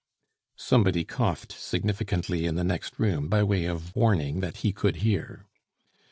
Somebody coughed significantly in the next room by way of warning that he could hear.